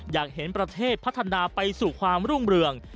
อยากเห็นประเทศพัฒนาไปสู่ความรุ่งเรือง